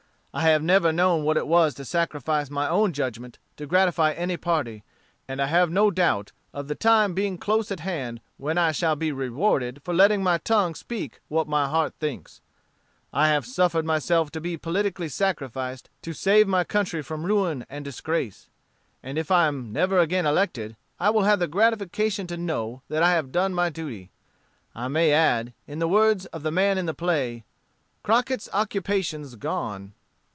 I have never known what it was to sacrifice my own judgment to gratify any party; and I have no doubt of the time being close at hand when I shall be rewarded for letting my tongue speak what my heart thinks. I have suffered myself to be politically sacrificed to save my country from ruin and disgrace; and if I am never again elected, I will have the gratification to know that I have done my duty. I may add, in the words of the man in the play, 'Crockett's occupation's gone.'"